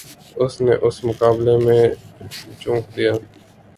اس نے اس مقابلے میں جھونک دیا۔